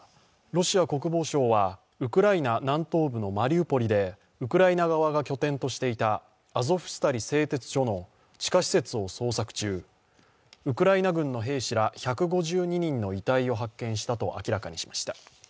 ロシア国防省は、ウクライナ南東部のマリウポリでウクライナ側が拠点としていたアゾフスタリ製鉄所の地下施設を捜索中、ウクライナ軍の兵士ら１５２人の遺体を発見したと明らかにしました。